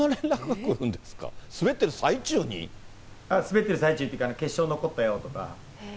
滑ってる最中というか、決勝残ったよとか。